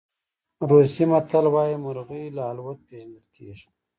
روسي متل وایي مرغۍ له الوت پېژندل کېږي.